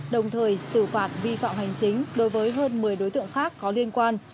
đồng thời xử phạt vi phạm hành chính đối với hơn một mươi đối tượng khác có liên quan